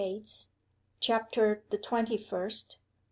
W. C. CHAPTER THE TWENTY FIRST.